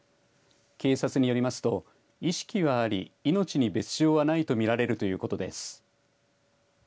警察によりますと意識はあり、命に別状はないと見られるということです。